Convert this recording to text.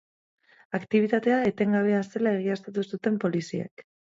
Aktibitatea etengabea zela egiaztatu zuten poliziek.